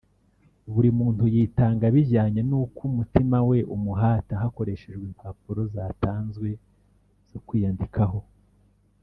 buri muntu yitanga bijyanye nuko umutima we umuhata hakoreshejwe impapuro zatanzwe zo kwiyandikaho